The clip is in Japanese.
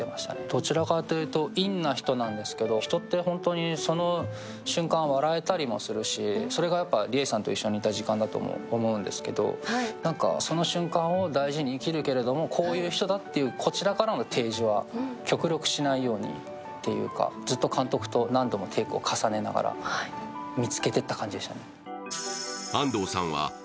どちらかというと陰な人なんですけど、人ってその瞬間笑えたりもするしそれが里枝さんと一緒にいた時間だと思うんですけど、その瞬間を大事に生きるけれども、こういう人だっていう、こちらからの提示は極力しないように、というかずっと監督と何度もテイクを重ねながら見つけていった感じでしたね。